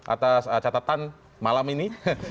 atas catatan malam ini